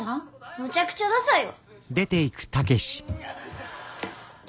むちゃくちゃダサいわ！